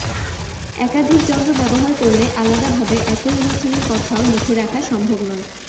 একাধিক যন্ত্র ব্যবহার করলে আলাদাভাবে একই অনুষ্ঠানের কথাও লিখে রাখা সম্ভব নয়।